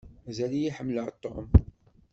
Mazal-iyi ḥemmleɣ Tom.